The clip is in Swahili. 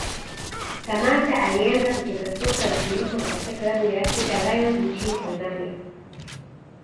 Samatta alianza kucheza soka la kulipwa katika klabu ya African Lyon nchini Tanzania